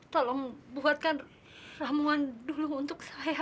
tolong buatkan ramuan dulu untuk hewan